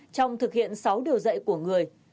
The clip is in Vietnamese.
trong thực hiện sáu điều dạy của người